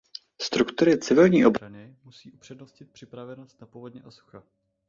Struktury civilní ochrany musí upřednostnit připravenost na povodně a sucha.